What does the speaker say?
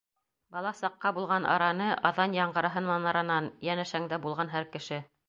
Бала саҡҡа булған араны, Аҙан яңғыраһын манаранан, Йәнәшәңдә булған һәр кеше.